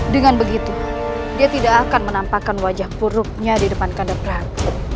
dengan begitu dia tidak akan menampakkan wajah buruknya di depan kandang perahu